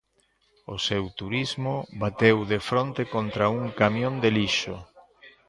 O seu turismo bateu de fronte contra un camión de lixo.